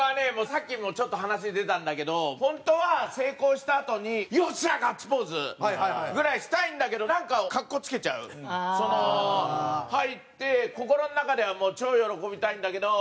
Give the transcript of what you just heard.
さっきもちょっと話出たんだけど本当は成功したあとに「よっしゃ！」ガッツポーズぐらいしたいんだけどなんか入って心の中では超喜びたいんだけど。